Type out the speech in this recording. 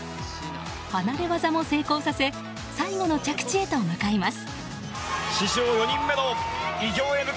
離れ技も成功させ最後の着地へと向かいます。